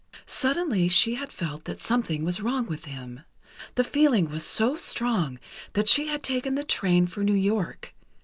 Suddenly she had felt that something was wrong with him. The feeling was so strong that she had taken the train for New York.